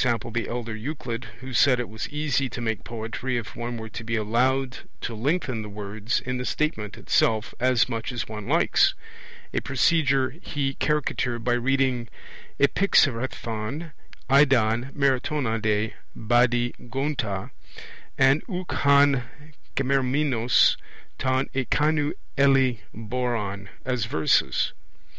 the elder Euclid, who said it was easy to make poetry if one were to be allowed to lengthen the words in the statement itself as much as one likes a procedure he caricatured by reading 'Epixarhon eidon Marathonade Badi gonta, and ouk han g' eramenos ton ekeinou helle boron as verses.